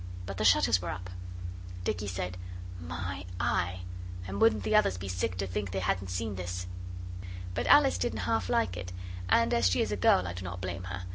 But the shutters were up. Dicky said, 'My eye!' and wouldn't the others be sick to think they hadn't been in this! But Alice didn't half like it and as she is a girl I do not blame her.